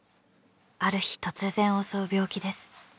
ある日突然襲う病気です。